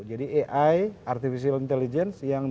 jadi ai artificial intelligence yang